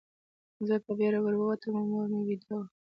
زه په بېړه ور ووتم او مور مې ویده وه